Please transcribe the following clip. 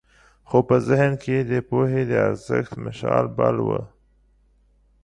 خو په ذهن کې یې د پوهې د ارزښت مشال بل و.